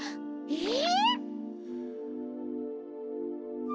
えっ！？